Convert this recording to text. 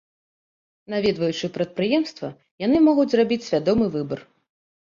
Наведваючы прадпрыемства, яны могуць зрабіць свядомы выбар.